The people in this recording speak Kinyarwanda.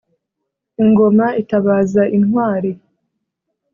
Ingoma itabaza intwari